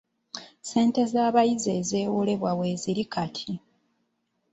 Ssente z'abayizi ezeewolebwa weeziri kati.